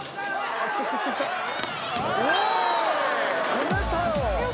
止めたよ。